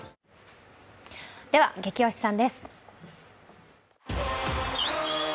では「ゲキ推しさん」です。